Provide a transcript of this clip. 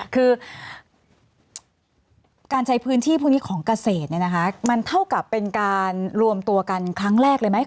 คือการใช้พื้นที่พวกนี้ของเกษตรเนี่ยนะคะมันเท่ากับเป็นการรวมตัวกันครั้งแรกเลยไหม